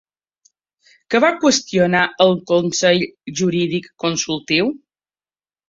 Què va qüestionar el Consell Jurídic Consultiu?